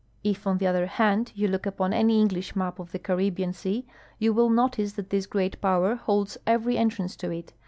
If, on the other hand, you look upon any Englisli map of the ('aril)bean sea you will notice that this great j)ower holds every entrance to it.